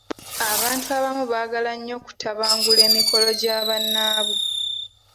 Abantu abamu bagala nnyo kutabangula emikolo gya bannaabwe.